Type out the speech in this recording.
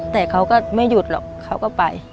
แต่เขาก็ไม่หยุดหรอกเขาก็ไป